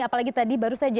apalagi tadi baru saja